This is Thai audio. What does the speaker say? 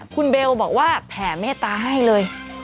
คุณเบลบอกว่าแผ่เมตตาให้เลย